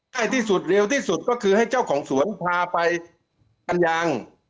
ใกล้ที่สุดเร็วที่สุดก็คือให้เจ้าของสวนพาไปอันยัง